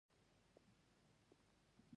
پر ما ځکه ښه ولګېد.